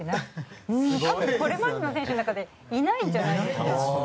これまでの選手の中でいないんじゃないんですか。